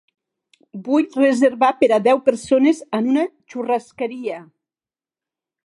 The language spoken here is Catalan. Vull reservar per a deu persones en una churrascaria.